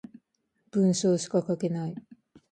文章しか書けない